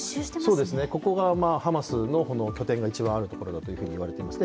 ここがハマスの拠点が一番あるところだといわれています。